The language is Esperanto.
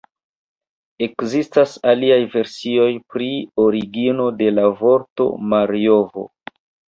Ekzistas aliaj versioj pri origino de la vorto Marjovo.